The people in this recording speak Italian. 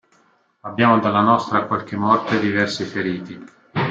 Abbiamo dalla nostra qualche morto e diversi feriti,….